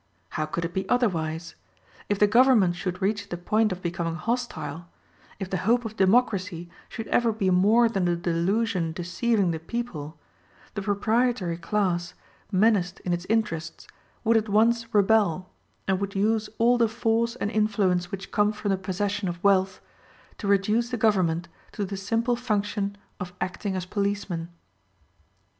How could it be otherwise? If the government should reach the point of becoming hostile, if the hope of democracy should ever be more than a delusion deceiving the people, the proprietory class, menaced in its interests, would at once rebel, and would use all the force and influence which come from the possession of wealth, to reduce the government to the simple function of acting as policeman.